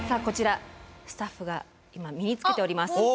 こちらスタッフが今身につけております。